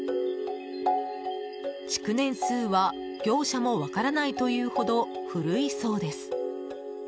築年数は業者も分からないというほど古いそうです。